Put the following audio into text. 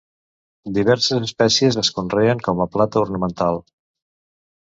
Diverses espècies es conreen com a planta ornamental.